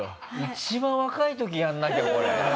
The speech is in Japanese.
一番若い時にやんなきゃこれ。